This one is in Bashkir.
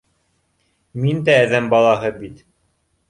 Мин дә әҙәм балаһы бит